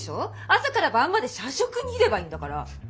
朝から晩まで社食にいればいいんだから。